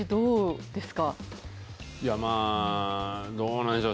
まあ、どうなんでしょう？